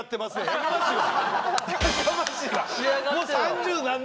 やかましいわ！